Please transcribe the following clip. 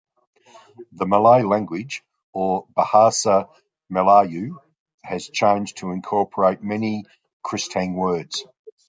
The Malay language, or "Bahasa Melayu", has changed to incorporate many Kristang words.